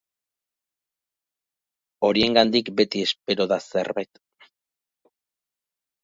Horiengandik beti espero da zerbait.